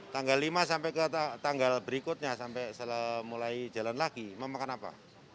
tanggal lima sampai ke tanggal berikutnya sampai mulai jalan lagi mau makan apa